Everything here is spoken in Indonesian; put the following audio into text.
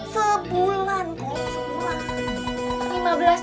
sebulan kom sebulan